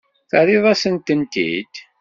Terriḍ-asen-tent-id?